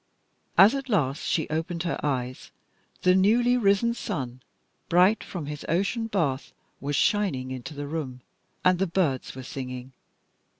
As at last she opened her eyes, the newly risen sun, bright from his ocean bath, was shining into the room, and the birds were singing.